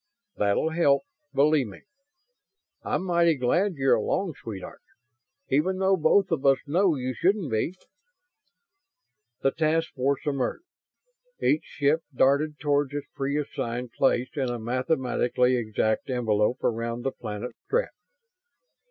"That'll help, believe me. I'm mighty glad you're along, sweetheart. Even though both of us know you shouldn't be." The task force emerged. Each ship darted toward its pre assigned place in a mathematically exact envelope around the planet Strett.